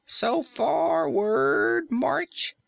"So for ward, MARCH!"